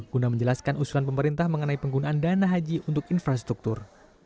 guna menjelaskan usulan pemerintah mengenai penggunaan dana haji untuk infrastruktur